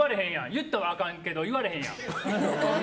言ったらあかんけど言われへんやん。